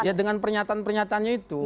ya dengan pernyataan pernyataannya itu